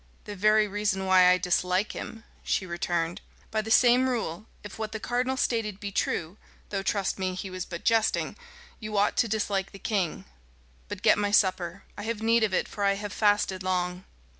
"The very reason why I dislike him," she returned. "By the same rule, if what the cardinal stated be true though, trust me, he was but jesting you ought to dislike the king. But get my supper. I have need of it, for I have fasted long."